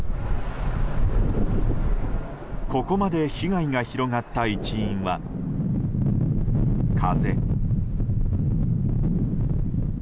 ここまで被害が広がった一因は風。